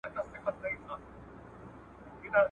دا طلاوي تر کلونو نه ختمیږي